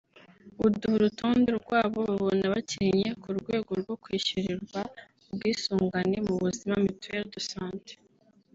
buduha urutonde rw’abo babona bakennye ku rwego rwo kwishyurirwa ubwisungane mu buzima (Mituelle de Santé)